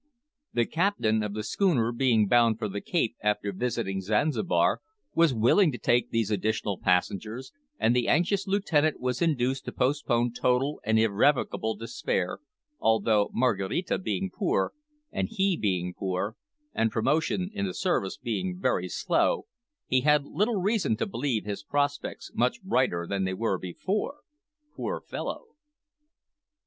The captain of the schooner, being bound for the Cape after visiting Zanzibar, was willing to take these additional passengers, and the anxious lieutenant was induced to postpone total and irrevocable despair, although, Maraquita being poor, and he being poor, and promotion in the service being very slow, he had little reason to believe his prospects much brighter than they were before, poor fellow!